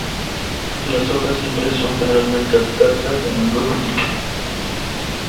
Las hojas simples, son generalmente alternas y a menudo estipuladas.